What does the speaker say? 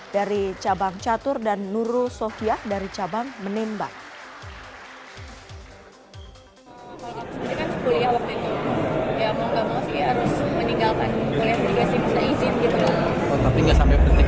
dari cabang catur dan nuru sofya dari cabang keras